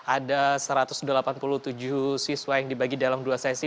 ada satu ratus delapan puluh tujuh siswa yang dibagi dalam dua sesi